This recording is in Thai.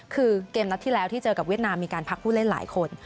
คือเกมนัดที่แล้วที่เจอกับเวียดนามมีการพักผู้เล่นหลายคน